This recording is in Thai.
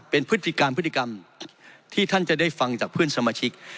เป็นพฤติการพฤติกรรมที่ท่านจะได้ฟังจากเพื่อนสมาชิก